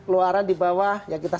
luaran di bawah yang kita